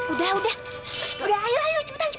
udah udah ayo cepetan cepetan